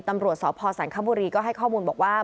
ตำรวจสพสันคบุรีก็ให้ข้อมูลบอกว่า